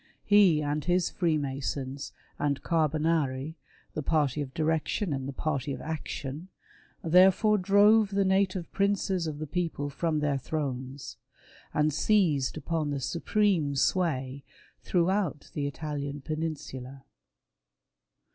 He and his Freemasons and Carbonari — the party of direction and the party of action — therefore drove the native princes of the people from their thrones, and seized upon the supreme sway throughout the Italian peninsula.